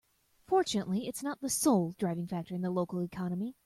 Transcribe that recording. Fortunately its not the sole driving factor of the local economy.